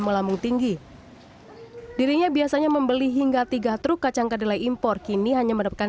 melambung tinggi dirinya biasanya membeli hingga tiga truk kacang kedelai impor kini hanya mendapatkan